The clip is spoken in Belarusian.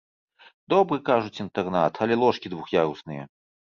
Добры, кажуць, інтэрнат, але ложкі двух'ярусныя.